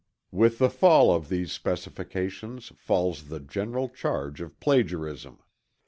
With the fall of these specifications falls the general charge of plagiarism.